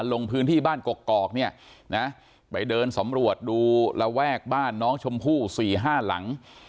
ลงพื้นที่บ้านกกอกเนี่ยนะไปเดินสำรวจดูระแวกบ้านน้องชมพู่๔๕หลัง